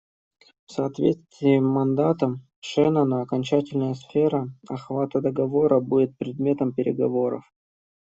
В соответствии с мандатом Шеннона окончательная сфера охвата договора будет предметом переговоров.